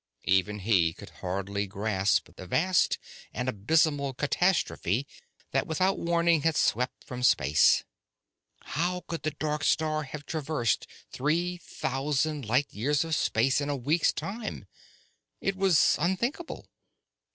Even he could hardly grasp the vast and abysmal catastrophe that without warning had swept from space. How could the dark star have traversed three thousand light years of space in a week's time? It was unthinkable!